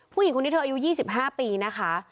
ผู้หญิงคนนี้เธออายุ๒๕ปีนะคะ